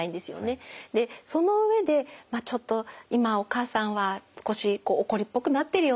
その上でちょっと今お母さんは少し怒りっぽくなってるよね。